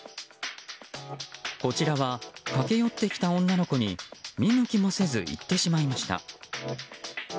こちらは駆け寄ってきた女の子に見向きもせず行ってしまいました。